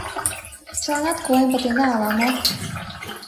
Чыланат колен пытена ала-мо.